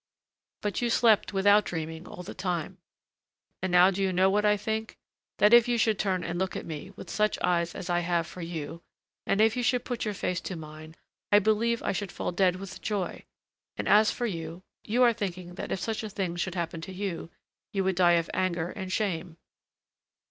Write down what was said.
But you slept without dreaming all the time. And now do you know what I think? that if you should turn and look at me with such eyes as I have for you, and if you should put your face to mine, I believe I should fall dead with joy. And as for you, you are thinking that if such a thing should happen to you, you would die of anger and shame!"